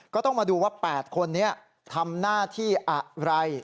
ก็ต้องมาดูว่า๘คนนี้ทำหน้าที่อะไร